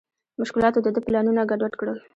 مشکلاتو د ده پلانونه ګډ وډ کړل.